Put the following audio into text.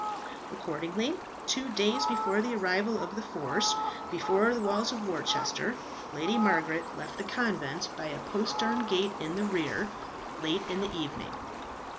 Accordingly, two days before the arrival of the force before the walls of Worcester, Lady Margaret left the convent by a postern gate in the rear, late in the evening.